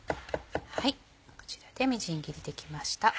こちらでみじん切りできました。